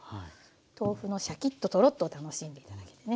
豆腐のシャキッとトロッとを楽しんで頂けてね。